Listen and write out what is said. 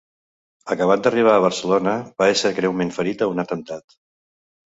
Acabat d'arribar a Barcelona va ésser greument ferit en un atemptat.